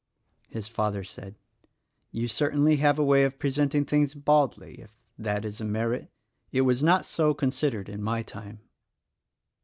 His father said, "You certainly have a way of present ing things baldly, — if that is a merit. It was not so consid ered in my time."